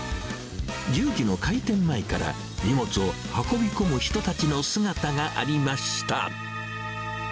１０時の開店前から、荷物を運び込む人たちの姿がありました。